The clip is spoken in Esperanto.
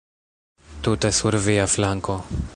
Tute sur via flanko.